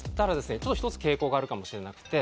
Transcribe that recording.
ちょっと一つ傾向があるかもしれなくて。